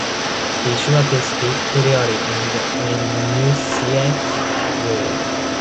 Be sure to speak clearly and enunciate well.